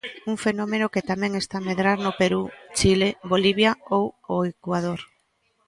Un fenómeno que tamén está a medrar no Perú, Chile, Bolivia ou o Ecuador.